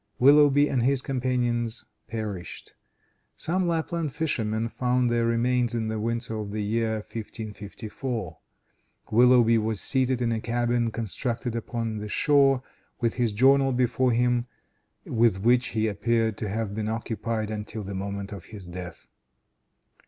Willoughby and his companions perished. Some Lapland fishermen found their remains in the winter of the year 1554. Willoughby was seated in a cabin constructed upon the shore with his journal before him, with which he appeared to have been occupied until the moment of his death.